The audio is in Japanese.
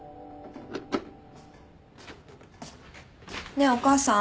ねえお母さん。